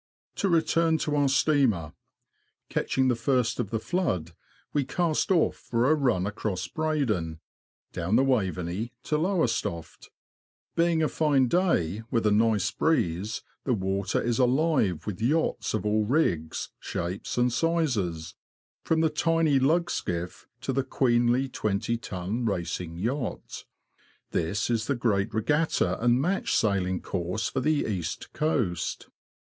To return to our steamer. Catching the first of the flood, we cast off for a run across Breydon, down the Waveney to Lowestoft. Being a fine day, with a nice breeze, the water is alive with yachts of all rigs, shapes, and sizes, from the tiny lug skiff to the queenly twenty ton racing yacht. This is the great regatta and match sailing course for the East Coast.